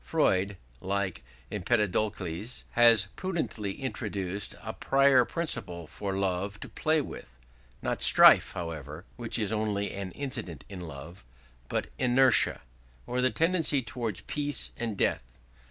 Freud, like Empedocles, has prudently introduced a prior principle for Love to play with; not Strife, however (which is only an incident in Love), but Inertia, or the tendency towards peace and death.